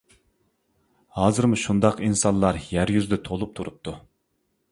ھازىرمۇ شۇنداق ئىنسانلار يەر يۈزىدە تولۇپ تۇرۇپتۇ.